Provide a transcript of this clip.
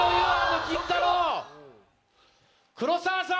黒沢さん。